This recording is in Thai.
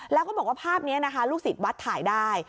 แล้วก็บอกว่าภาพนี้นะคะลูกศิษย์วัดถ่ายได้